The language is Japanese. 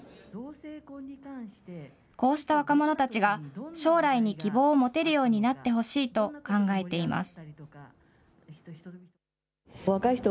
こうした若者たちが将来に希望を持てるようになってほしいと考えています。